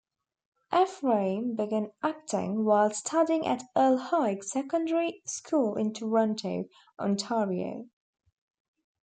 Ephraim began acting while studying at Earl Haig Secondary School in Toronto, Ontario.